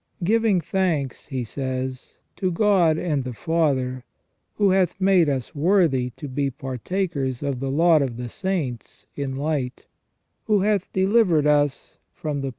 " Giving thanks," he says, " to God and the Father, who hath made us worthy to be partakers of the lot of the saints in light, who hath delivered us from the power • S.